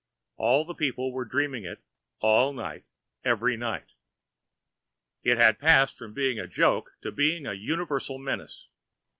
All the people were dreaming it all night every night. It had passed from being a joke to being a universal menace.